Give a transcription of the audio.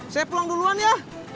saya pulang duluan ya